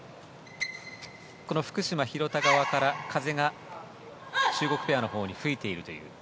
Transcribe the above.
福島、廣田側から風が中国ペアのほうに吹いているという。